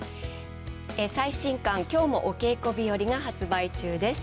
最新刊、今日もお稽古日和が発売中です。